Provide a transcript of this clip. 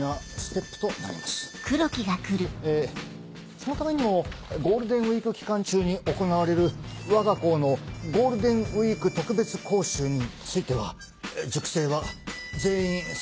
そのためにもゴールデンウィーク期間中に行われるわが校のゴールデンウィーク特別講習については塾生は全員参加させたく。